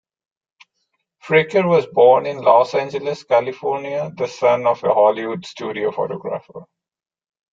Fraker was born in Los Angeles, California, the son of a Hollywood studio photographer.